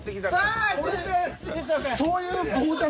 さあ準備はよろしいでしょうか。